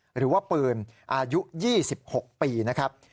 หรือว่าปืนอายุ๒๖ปีนะครับ